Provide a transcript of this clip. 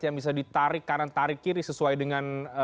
yang bisa ditarik kanan tarik kiri sesuai dengan